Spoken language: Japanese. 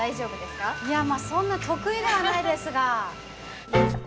いやまあそんな得意ではないですが。